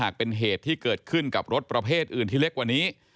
เกิดขึ้นกับรถประเภทอื่นที่เล็กกว่านี้